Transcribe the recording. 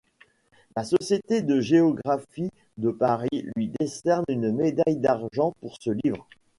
La Société de géographie de Paris lui décerne une médaille d'argent pour ce livre.